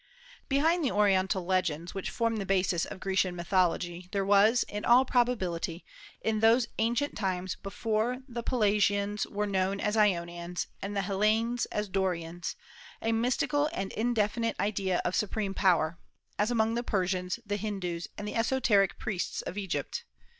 Behind the Oriental legends which form the basis of Grecian mythology there was, in all probability, in those ancient times before the Pelasgians were known as Ionians and the Hellenes as Dorians, a mystical and indefinite idea of supreme power, as among the Persians, the Hindus, and the esoteric priests of Egypt.